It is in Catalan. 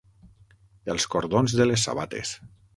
Els cordons de les sabates.